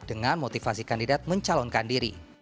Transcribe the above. dengan motivasi kandidat mencalonkan diri